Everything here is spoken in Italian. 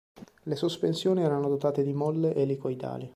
Le sospensioni erano dotate di molle elicoidali.